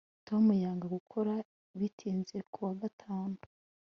Tom yanga gukora bitinze kuwa gatanu